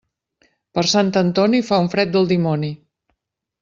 Per Sant Antoni fa un fred del dimoni.